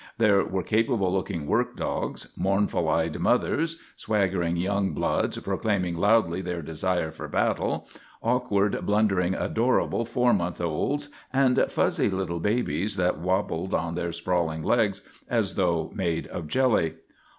There were capable looking work dogs; mournful eyed mothers; swaggering young bloods proclaiming loudly their desire for battle; awkward, blundering, adorable four month olds, and fuzzy little babies that wabbled on their sprawling legs as though made of jelly.